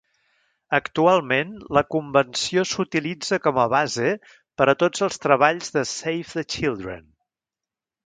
Actualment la convenció s'utilitza com a base per a tots els treballs de Save the Children.